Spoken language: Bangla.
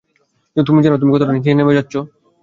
তুমি জানো তুমি কতটা নিচে নেমে যাচ্ছো?